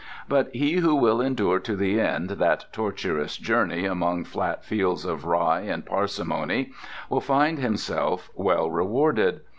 But he who will endure to the end that tortuous journey among flat fields of rye and parsimony, will find himself well rewarded.